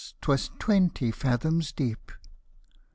'twas twenty fathoms deep